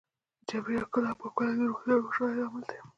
د چاپیریال ښکلا او پاکوالی د روغتیا او خوشحالۍ لامل دی.